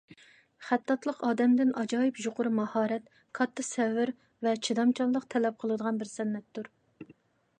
خەتتاتلىق ئادەمدىن ئاجايىپ يۇقىرى ماھارەت، كاتتا سەۋر ۋە چىدامچانلىق تەلەپ قىلىدىغان بىر سەنئەتتۇر.